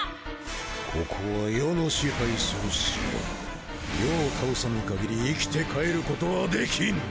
ここは余の支配する城余を倒さぬかぎり生きて帰ることはできぬ！